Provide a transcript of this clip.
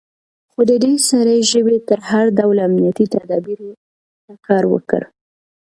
خو د دې سړي ژبې تر هر ډول امنيتي تدابيرو ښه کار وکړ.